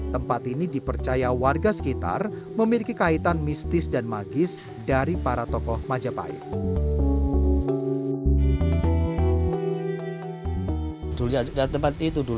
tempat ini dipercaya warga sekitar memiliki kaitan mistis dan magis dari para tokoh majapahit